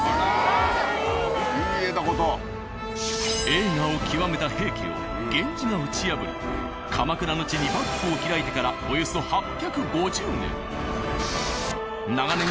栄華を極めた平家を源氏が討ち破り鎌倉の地に幕府を開いてからおよそ８５０年。